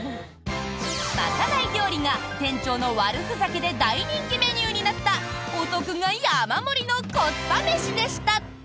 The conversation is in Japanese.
賄い料理が店長の悪ふざけで大人気メニューになったお得が山盛りのコスパ飯でした！